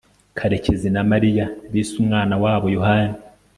karekezi na mariya bise umwana wabo yohani